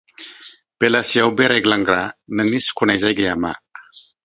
बेलासियाव बेरायग्लांग्रा नोंनि सुखुनाय जायगाया मा?